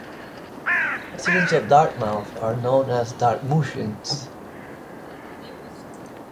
Residents of Dartmouth are known as Dartmouthians.